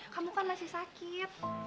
kamu kan masih sakit